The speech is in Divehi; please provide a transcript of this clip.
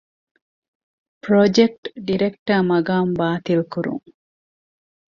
ޕްރޮޖެކްޓް ޑިރެކްޓަރ މަޤާމް ބާތިލްކުރުން